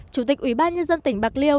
chủ tịch ủy ban nhân dân tỉnh bạc liêu